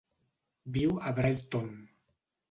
Viu a Brighton.